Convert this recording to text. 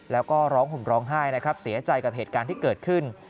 แล้วก็ร้องห่มร้องไห้นะครับเสียใจกับเหตุการณ์ที่เกิดขึ้น